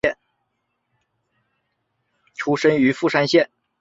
出身于富山县。